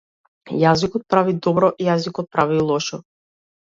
Јазикот прави добро, јазикот прави и лошо.